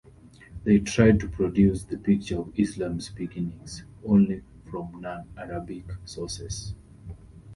They tried to produce the picture of Islam's beginnings only from non-Arabic sources.